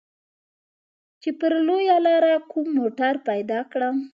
چې پر لويه لاره کوم موټر پيدا کړم.